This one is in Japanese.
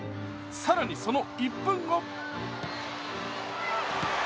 更にその１分後。